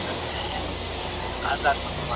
په پخوانیو زمانو کي هم زکات ورکول کیده.